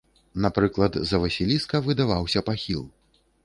Напрыклад, за васіліска выдаваўся пахіл.